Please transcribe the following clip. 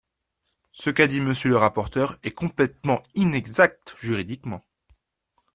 Ce qu’a dit Monsieur le rapporteur est complètement inexact juridiquement.